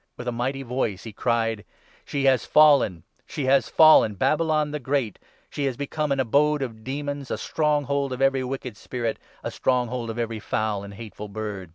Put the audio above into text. With a mighty voice he cried —' She has 2 fallen ! She has fallen — Babylon the Great ! She has become .'in abode of demons, a stronghold of every wicked spirit, a stronghold of every foul and hateful bird.